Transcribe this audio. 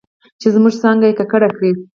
چې زموږ څانګه یې ککړه کړې